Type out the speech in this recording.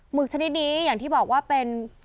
ึกชนิดนี้อย่างที่บอกว่าเป็น